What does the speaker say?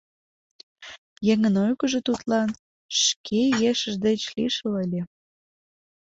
Еҥын ойгыжо тудлан шке ешыж деч лишыл ыле.